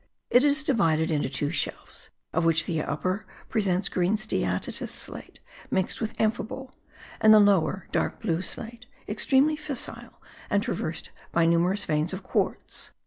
It is divided into two shelves, of which the upper presents green steatitous slate mixed with amphibole, and the lower, dark blue slate, extremely fissile, and traversed by numerous veins of quartz.